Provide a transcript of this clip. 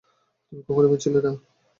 তুমি কখনও এমন ছিলে না।